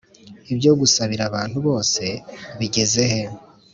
Ibyo gusabira abantu bose bigezehe